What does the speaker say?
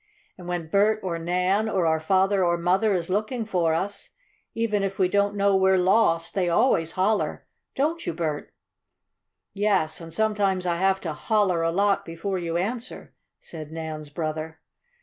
"And when Bert or Nan, or our father or mother is looking for us, even if we don't know we're lost, they always holler; don't you, Bert?" "Yes, and sometimes I have to 'holler' a lot before you answer," said Nan's brother.